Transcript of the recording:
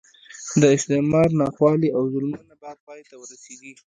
د استعمار ناخوالې او ظلمونه به پای ته ورسېږي.